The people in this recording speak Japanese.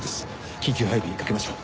緊急配備かけましょう。